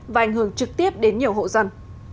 và ảnh hưởng trực tiếp đến nhiều hộ dân